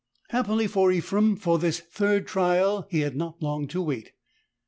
Happily for Ephrem, for this third trial he had not long to wait.